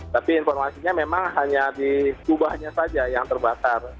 tapi informasinya memang hanya di kubahnya saja yang terbakar